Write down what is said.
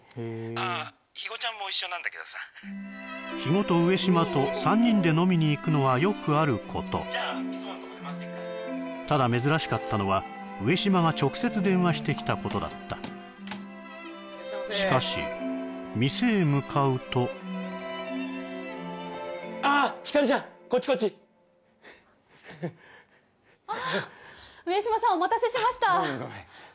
☎ああ肥後ちゃんも一緒なんだけどさ肥後と上島と３人で飲みに行くのはよくあることただ珍しかったのは上島が直接電話してきたことだったしかし店へ向かうとああ光ちゃんこっちこっちああ上島さんお待たせしましたごめんごめん